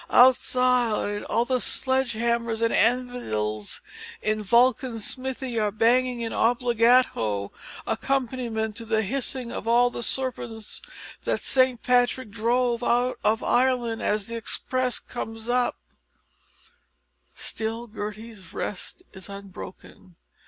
Outside, all the sledge hammers and anvils in Vulcan's smithy are banging an obbligato accompaniment to the hissing of all the serpents that Saint Patrick drove out of Ireland as the express comes up; still Gertie's rest is unbroken.